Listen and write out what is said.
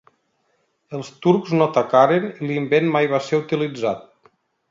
Els turcs no atacaren i l'invent mai va ser utilitzat.